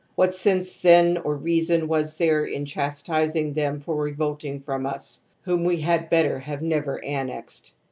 What sense then or reason was there in chastising them for revolting from us, whom we had better have never annexed?